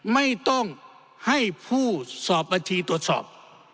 ไม่ต้องให้ผู้สอบบัญชีตรวจสอบ